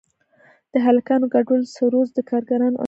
د هلکانو گډول سروذ د کرکانو او سپيو جنگول قمار.